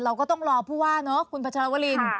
เราก็ต้องรอผู้ว่าเนาะคุณพัชรวริน